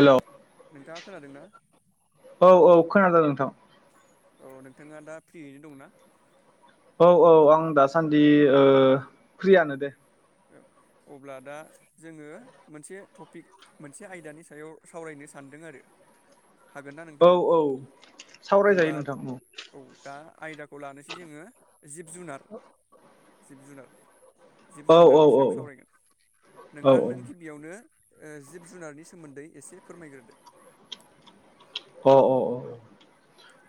Hello औ औ खोनादो नोंथां। औ नोंथाङा दा फ्रियैनो दंना। औ औ आं दासान्दि ओ फ्रियानो दे। औ अब्ला दा जोङो मोनसे टपिक मोनसे आयदानि सायाव सावरायनो सानदों आरो। हागोन ना नोंथां होमबा औ दा आयदाखौ लानोसै जोङो। जिब जुनार जिब जुनार जुनारनि सायाव सावरायगोन नोंथां नों गिबियावनो ओ जिब जुनारनि सोमोन्दै एसे फोरमायग्रोदो। अ अ अ।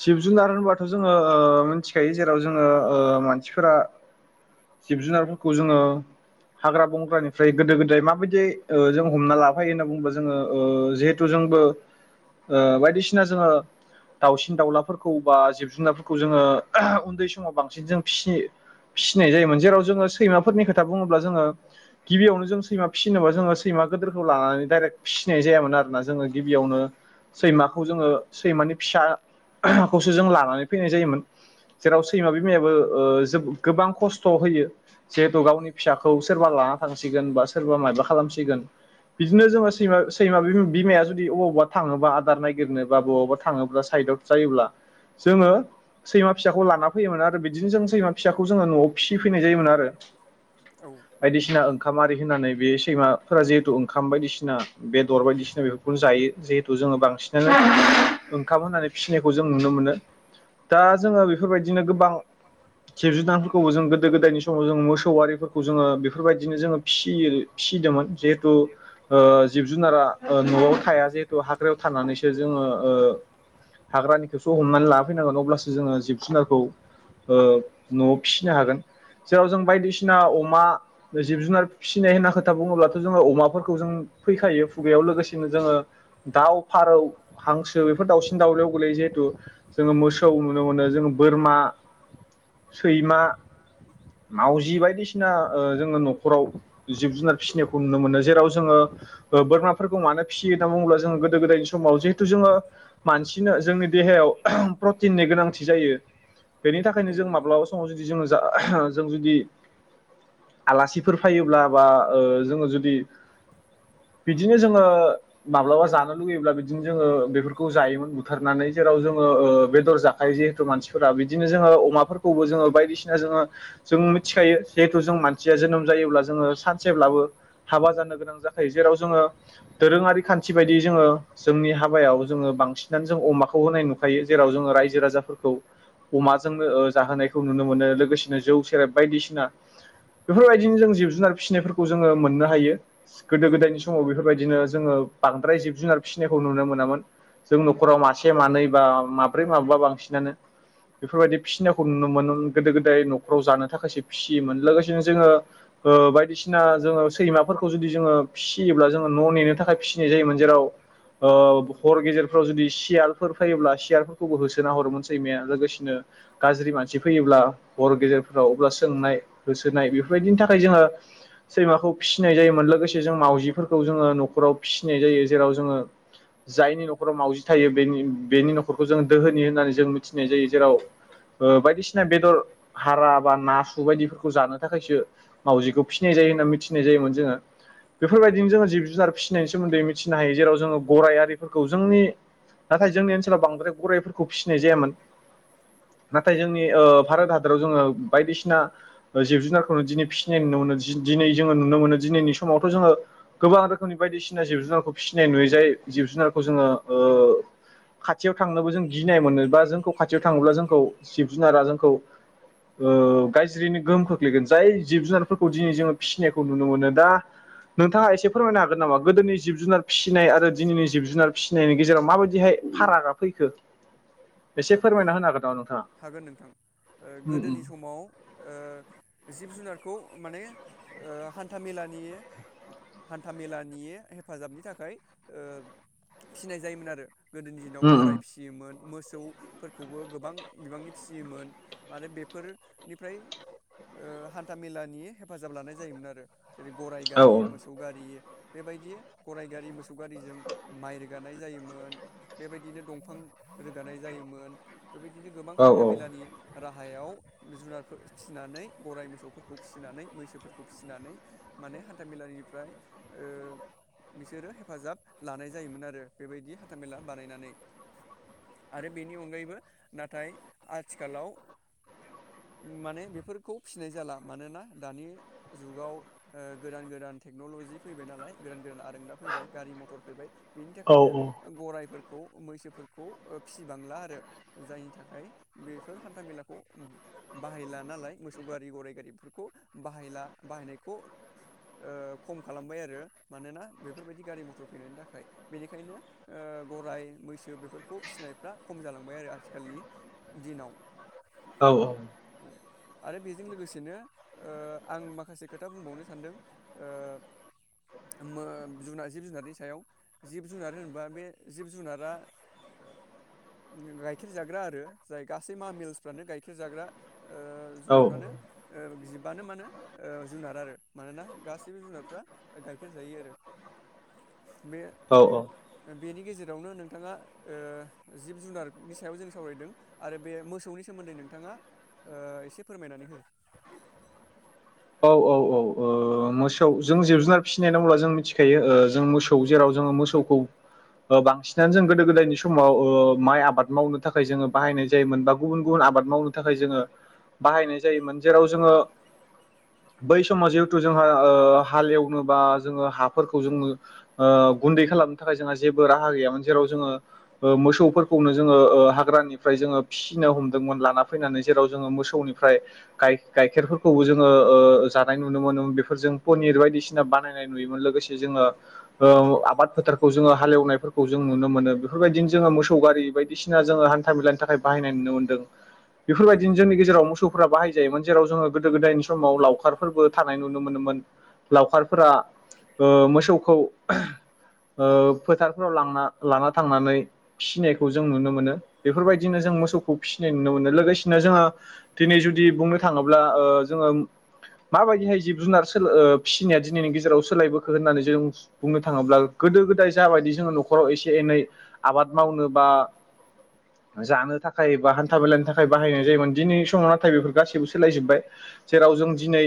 जिब जुनार होनबाथ' जोङो ओ मिथिखायो जेराव जोङो ओ मानसिफोरा जिब जुनारफोरखौ जोङो हाग्रा बंग्रानिफ्राय गोदो गोदाय माबायदि ओ जों हमना लाफायो होनना बुङोब्ला जोङो ओ जिहेथु जोंबो ओ बायदिसिना जोङो दाउसि दाउलाफोरखौ बा जिब जुनारफोरखौ जोङो उन्दै समाव जों बांसिन फि-फिनाय जायोमोन जेराव जोङो सैमाफोरनि खोथा बुङोब्ला जोङो गिबियावनो जों सैमा फिनोबा जोङो सैमा गोदोरखौ लानानै दाइरेक्ट फिसिनाय जायामोन आरोना जोङो गिबियावनो सैमाखौ जोङो सैमानि फिसा खौसो जों लानानै फैनाय जायोमोन जेराव सैमा बिमायाबो ओ जो गोबां खस्थ होयो। जिहेथु गावनि फिसाखौ सोरबा लाना थांसिगोन बा सोरबा मायबा खालामसिगोन बिदिनो जोङो सैमा सैमा बिम-बिमाया जुदि अबावबा थाङोबा आदार नागिरनो बा बबावबा थाङोब्ला साइदआव जायोब्ला जोङो सैमा फिसाखौ लाना फैयोमोन आरो बिदिनो जों सैमा फिसाखौ जोङो न'आव फिसि फैनाय जायो। मोन आरो बायदिसिना ओंखाम आरि होनानै बे सैमाफ्रा जिहेतु खाम बायदिसिना बेदर बायदिसिना बेफोरखौनो जायो जिहेथु जोङो बांसिनानो ओंखाम होनानै फिनायखौ जों नुनो मोनो। दा जोङो बेफोरबायदिनो गोबां खेबजुुनांफोरखौबो जों गोदो गोदायनि समाव जों मोसौआरिफोरखौ जोङो बेफोरबाय बिदिनो जोङो फिसियो फिदोंमोन जिहेथु ओ जिब जुनारा ओ न'आव थाया जिहेथु हाग्रायाव थानानैसो जोङो ओ हाग्रानिखौस हमनानै लानाफैनांगोन अब्लासो जोङो जिब जुनारखौ ओ न'आव फिनो हागोन। जेराव जों बायदिसिना अमा जिब जुनार फिनाय होनना खोथा बुङोब्लाथ' जोङो अमाफोरखौ जों फैखायो। खुगायाव लोगोसेनो जोङो दाउ फारौ हांसो बेफोर दाउसिन दाउलायाव जोङो मोसौ नुनो मोनो जोङो बोरमा, सैमा, मावजि बायदिसिना ओ जोङो न'खराव जिब जुनार फिसिनायखौ नुनो मोनो जेराव जोङो ओ बोरमाफोरखौ मानो फियो होनना बुङोब्ला जोङो गोदो गोदायनि समाव जिहेथु जोङो मानसि सिनो जोंनि देहायाव प्रटिननि गोनांथि जायो। बेनि थाखायनो जों माब्लाबा समाव जुदि जोङो जा जों जुदि आलासिफोर फायोब्ला बा ओ जोङो जुदि बिदिनो जोङो माब्लाबा जानो लुुगैयोब्ला बिदिनो जोङो बेफोर खौ जायोमोन। थारनानै जेराव जोङो ओ बेदर जाखायो जिहेथु मानसिफोरा बिदिनो जोङो अमाफोरखौबो जोङो बायदिसिना जोङो जों मिथिखायो जिहेथु जों मानसिया जोनोम जायोब्ला जोङो सानसेब्लाबो हाबा जानो गोनां जाखायो जेराव जोङो दोरोङारि खान्थि बायदियै जोङो जोंनि हाबायाव जोङो बांसि फिनानै जों अमाखौ होनाय नुखायो जेराव जोङो रायजो राजाफोरखौ अमाजोंनो ओ जाहोनायखौ नुनो मोनो लोगोसेनो जौ सेरेब बायदिसिना बेफोरबायदिनो जों जिब जुनार फिनायफोरखौ जोङो मोननो हायो। गोदो गोदायनि समाव बेफोरबायदिनो जोङो बांद्राय जिब जुनार फिसिनायखौ नुनो मोनामोन। जों नखराव मासे मानै बा माब्रै माबा बांसिनानो बेफोरबायदि फिसिनाखौ नुनो मोनोमोन गोदो गोदाय नखराव जानो थाखायसो फिसियोमोन लोगोसेनो जोङो ओ बायदिसिना जोङो सैमाफोरखौ जुदि जोङो फिसियोब्ला जों न' नेनो थाखाय फिसिनाय जायोमोन जेराव ओ हर गेजेर जुदि सियालफोर फैयोब्ला सियालफोरखौबो होसोना हरोमोन सैमाया लोगोसेनो गाज्रि मानसि फैयोब्ला हर गेजेरफोराव अब्ला सोंनाय होसोनाय बेफोरबायदि थाखाय जोङो सैमाखौ फिसिनाय जायोमोन लोगोसे जों मावजिफोरखौ जोङो नखराव फिसिनाय जायो जेराव जोङो जायनि नख नखराव मावजि थायो बेनि बेनि नखरखौ जोङो दोहोनि होननानै जों मिथिनाय जायो जेराव ओ बायदिसिना बेदर हारा बा नासु बायदिफोरखौ जानो थाखायसो मावजिखौ फिनाय जायो होनना मिथिनाय जायोमोन जोङो बेफोरबायदिनो जोङो जिब जुनार फिनायनि सोमोन्दै मिथिनो हायो जेराव जोङो गराइ आरिफोरखौ खौ जोंनि नाथाय जोंनि ओनसोलाव बांद्राय गरायफोरखौ फिसिनाय जायामोन नाथाय जोंनि ओ भारत हादराव जोङो बायदिसिना जिब जुनारखौ दिनै फिनाय नुनो मोनो दि दिनै जोङो नुनो मोनो दिनैनि समावथ' जोङो गोबां रोखोमनि बायदिसिना जिब जुनारखौ फिसिनाय नुयो जाय जिब जुनार खौ जोङो ओ खाथियाव थांनोबो जों गिनाय मोनो बा जोंखौ खाथियाव थाङोब्ला जोंखौ जिब जुनारा जोंखौ ओ गा ज्रियैनो गोहोम खोख्लैगोन जाय जिब जुनारफोरखौ दिनै जोङो फिसिनायखौ नुनो मोनो दा नोंथाङा एसे फोरमायनो हागोन नामा गोदोनि जिब जुनार फिनाय आरो दिनैनि जिब जुनार फिसिनायनि गेजेराव माबायदिहाय फारागा फैखो आतसा हागोन नोंथां ओ गोदोनि समाव ओ जिब जुनारखौ माने ओ हान्था मेलानि हान्थामेलानि हेफाजाबनि थाखाय ओ फिनाय जायोमोन आरो। गोदोनि दिनाव गराय फिसियोमोन। मोस मोसौफोरखौबो गोबां बिबांनि फिसियोमोन आरो बेफोरनिफ्राय ओ हान्थाामेलानि हेफाजाब लानाय जायोमोन आरो। जेरै गराइ गारि मोसौ गारि बेबायदि गरायाइगारि मोसौ सौगारिजों माइर रोगा जानाय जायोमोन बेबायदिनो दंफां गानाय जायोमोन बेबायदिनो गोबां हान्था मेलानि राह गाहायाव जुनारफोर फिसिनानै गराय मोसौफोरखौ फिसिनानै मैसोफोरखौ फिसिनानै माने हाथामेलानिफ्राय ओ बिसोरो हेफाजाब लानाय जायोमोन आरो बेबायदि हाथामेला बानायनानै। आरो बेनि अनगायैबो नाथाय आथिखालाव माने बेफोरखौ फिनाय जाला मानोना दानि जुगाव गोदान गोदान टेक्न'लजि फैबाय नालाय गोदान गोदान आरोंदा फैबाय गारि मथर फैबाय बेनि थाखायनो गराइफोरखौ खौ मैसोफोरखौ फिसिबांला आरो जायनि थाखाय बेफोर हान्थामेलाखौ बाहायला नालाय मोसौ गारि गराइ गारि बेफोरखौ बाहायला बाहायनायखौ ओ खम खालामबाय आरो मानोना बेफोरबायदि गारि मथर फैनायनि थाखाय बेनिखायनो ओ गराय मैसो बेफोरखौ फिसिनायफ्रा खम जालांबाय आरो आथिखालनि दिनाव औ औ आरो बेजों लोगोसेनो ओ आं माखासे खोथा बुंबावनो सानदों जुनार जिब जुनारनि सायाव जिब जुनार होनबा बे जिब जुनारा गाइखेर जाग्रा आरो जाय गासै मामेल्सफ्रानो गाइखेर जाग्रा ओ जुनारफ्रानो ओ जिब बानो मानो जुनार आरो मानोना गासैबो जुनारफ्रा गाइखेर जायो आरो औ औ बेनि गेजेरावनो नोंथाङा ओ जिब जुनारनि सायाव जों सावरायदों आरो बे मोसौनि सोमोन्दै नोंथाङा एसे फोरमायनानै हो। मोसौ जों जिब जुनार फिसिनाय होनना बब्ला जों मिथिखायो जों मोसौ जेराव जोङो मोसौखौ बांसिनानो जों गोदो गोदायनि समाव माइ आबाद मावनो थाखाय जोङो बाहायनाय जायोमोन बा गुबुन गुबुन आबाद मावनो थाखाय जोङो बाहायनाय जायोमोन जेराव जोङो बै समाव जिहेथु जोंहा हालेवनो बा जोङो हाफोरखौ जोङो ओ गुन्दै खालामनो थाखाय जोंहा जेबो राहा गैयामोन जेराव जोङो मोसौफोरखौनो ओ जोङो हाग्रानिफ्राय जोङो फिसिनो हमदोंमोन लाना फैनानै जेराव जोङो मोसौनिफ्राय गाइ गाइखेरफोरखौबो जोङो जानाय नुनो मोनो बेफोरजों पनिर बायदिसिना बानायनाय नुयोमोन लोगोसे जोङो ओ आबाद फोथारखौ जोङो हालेवनायफोरखौ जों नुनो मोनो बेफोरबायदिनो जोङो मोसौ गारि बायदिसिना जोङो हान्था मेलानि थाखाय बाहायनाय नुनो मोन्दों बेफोरबायदिनो जोंनि गेजेराव मोसौ बाहाय जायोमोन जेराव जोङो गोदो गोदायनि समाव लावखारफोरबो थानाय नु मोनोमोन लावखारफोरा ओ मोसौखौ ओ फोथारफोराव लांना लानाथांनानै फिनायखौ जों नुनो मोनो बेफोरबायदिनो जों मोसौखौ फिनाय नुनो मोनो लोगोसेनो जोङो दिनै जुदि बुंनो थाङोब्ला ओ जोङो माबायदिहाय जिब जुनार सोल ओ फिसिनाया दिनैनि गेजेराव सोलायबोखो होननानै जों बुंनो थाङोब्ला गोदो गोदाय जाबायदि जोङो न'खराव एसे एनै आबाद मावनो बा जानो थाखाय बा हान्था मेलानि थाखाय बाहायनाय जायोमोन दिनैनि समाव नाथाय बेफोर गासैबो सोलायजोबबाय जेराव जों दिनै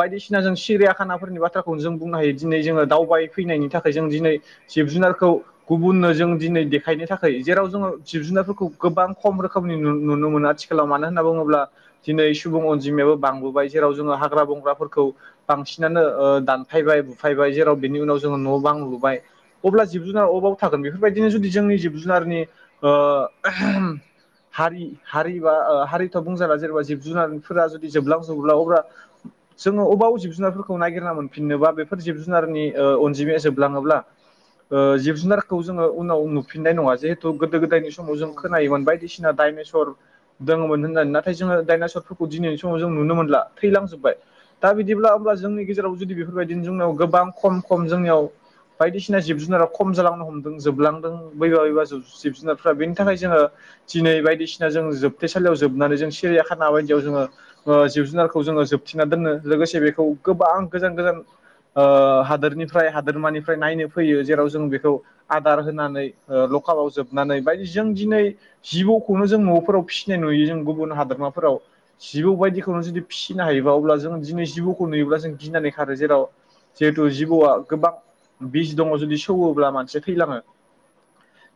बायदिसिना जों सिरिया खानाफोरनि बाथ्रा जों बुंनो हायो दिनै जोङो दावबाय फैनायनि थाखाय जों दिनै जिब जुनारखौ गुबुननो जों दिनै देखायनो थाखाय जेराव जोङो जिब जुनारफोरखौ गोबां खम रोखोमनि नुनो मोनो आथिखालाव मानो होनना बुङोब्ला दिनै सुबुं अनजिमायाबो बांबोबाय जेराव जोङो हाग्रा बंग्राफोर खौ बांसिन बिसिनानो दानफायबाय बुफायबाय जेराव बिनि उनाव जोङो न' बां लुबाय अब्ला जिब जुनार अबाव थागोन बेफोरबायदिनो जुदि जोंनि जिब जुनारनि हारि हारि बा हारिथ' बुंजाबला जेनेबा जिब जुनारफोरा जुदि जोबलांजोबला अब्ला जो अबाव जिब जुनारफोरखौनायगोन फिनोबा बेफोर जिब जुनारनि अनजिमाया जोबलाङोब्ला ओ जिब-जुनारखौ जोङो उनाव नुफिननाय नङा जिहेथु गोदो- गोदायनि समाव जों खोनायोमोन बायदिसिना डाइनासर दोङोमोन होननानै ना नाथाय जोङो डाइनासर फोरफोरखौ दिनैनि समाव जों नुनो मोनला थैलांजोब्बाय। दा बिदिब्ला ओमबा जोंनि गेजेराव जुदि बेफोरबायदिनो जोंनियाव गोबां खम खम जोंनियाव बायदिसिना जिब जुनारा खम जालांनो हमदों जोबलांदों बैबा बैबा जिब जुनारफ्रा बेनि थाखाय जोङो दिनै बायदिसिना जों जोबथेसालियाव जोबनानै जों सिरियया खाना बायदियाव जोङो ओ जिब जुनारखौ जोङो जोब दोनो लोगोसे बेखौ गोबां गोजान गोजान ओ हादोरनिफ्राय हादोरमानिफ्राय नायनो फैयो जेराव जों बेखौ आदार होनानै ओ लकाबाव जोबनानै बायदि जों दिनै जिबौखौनो जों न'फोराव फिसिनाय नुयो जों गुबुन हादोरमाफोराव। जिबौ बायदिखौनो जुदि फिसिनो हायो अब्ला जिखौ नुयोब्ला जों गिनानै खारो जेराव जिहेतु जिबौआ गोबां बिज दङ जुदि सौवोब्ला मानसिया थैलांङो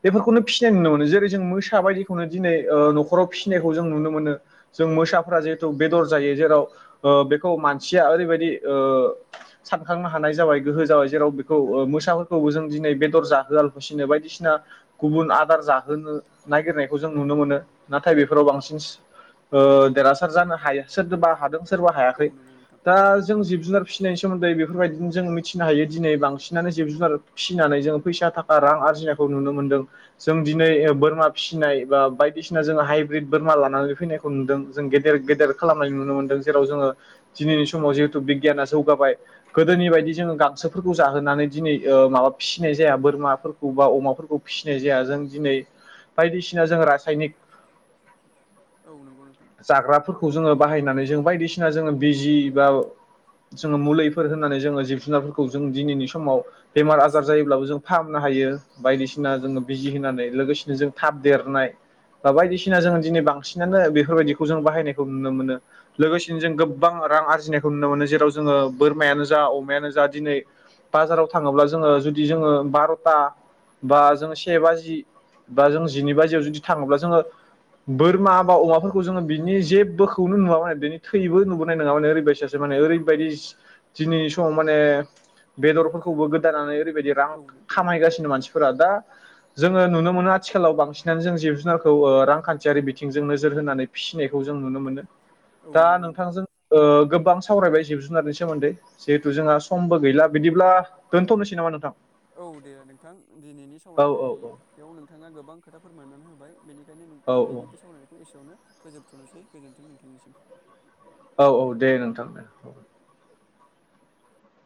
बेफोरखौनो फिसिनाय नुनो मोनो जेरै जों मोसा बायदिखौनो दिनै ओ न'खराव फिसिनायखौ जों नुनो मोनो जों मोसाफोरा जिहेथु बेदर जायो जेराव ओ बेखौ मानसिया ओरैबायदि ओ सानखांनो हानाय जाबाय गोहो जाबाय जेराव बेखौ मोसाफोरखौबो जों दिनै बेदर जाहोआलासिनो बायदिसिना गुबुन आदार जाहोनो नागिरनायखौ जों नुनो मोनो नाथाय बेफोराव बांसिन ओ देरहासार जानो हायो सोरदोबा सोरबा हायाखै दा जों जिब-जुनार फिसिनायनि सोमोन्दै बेफोरबायदि जों मिथिनो हायो दिनै बांसिनानो जिब-जुनार फिसिनानै जों फैसा थाखा रां आर जिनायखौ नुनो मोनदों जों दिनै बोरमा फिसिनाय बा बायदिसिना जोङो हाइब्रिद बोरमा लानानै फैनायखौ नुदों जों गेदेर-गेदेर खालामनाय नुनो मोनदों। जोंङो दिनैनि समाव जिहेतु बिगियाना जौगाबाय गोदोनि बायदि जोंङो गांसोफोरखौ जाहोनानै दिनै ओ माबा फिसिनाय जाया बोरमा फो अमाफोरखौ फिसिनाय जाया जों दिनै बायदिसिना जों रासायनिक जाग्राफोरखौ जोंङो बाहायनानै जों बायदिसिना जोङो बिजि बा जोङो मुलिफोर होननानै जोङो जिब जुनारफोरखौ जों दिनैनि समाव बेमार आजार जायोब्लाबो जों फाहामनो हायो बायदिसिना जोङो बिजि होनानै लोगोसेनो जों थाब देरनाय बा बायदिसिना जों दिनै बांसिनानो बेफोरबायदिखौ जों बाहायनायखौ नुनो मोनो लोगोसेनो जों गोबां रां आरजि नायखौ नुनो मोनो जेराव जोङो बोरमायानो जा अमायानो जा दिनै बाजाराव थाङोब्ला जोङो जुदि जोङो बार'था बा जोङो से बाजि बा जों जिनै बाजियाव जुदि थाङोब्ला जोङो बोरमा बा अमाफोरखौ जोङो बिनि जेबोखौनो नुवा मोन बिनि थैबो नुबोनाय नङामोन ओरैबायसा माने ओरैबायदि दिनैनि समाव माने बेदरफोरखौबो गोदानानै ओरैबायदि रां खामायगासिनो मानसिफोरा दा जोङो नुनो मोनो आथिखालाव बांसिनानो जों जिब-जुनारखौ ओ रांखान्थियारि बिथिंजों नोजोर होनानै फिसिनायखौ जों नुनो मोनो। दा नोंथांजों ओ गोबां सावरायबाय जिब-जुनारनि सोमोन्दैे जि हेतु जोंहा समबो गैला बिदिब्ला दोनथ'नोसै नामा नोंथां औ दे नोंथां दिनैनि सावरायनायाव नोंथाङा गोबां खोथा फोर मोननानै होबाय। बेनिखायनो नों दिनैनि बे सावरायनायखौ एसेयावनो फोजोबथ'नोसै गोजोन्थों नोंथांनिसिम औ औ दे नोंथां औ